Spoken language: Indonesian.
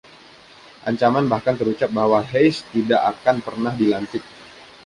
Ancaman bahkan terucap bahwa Hayes tidak akan pernah dilantik.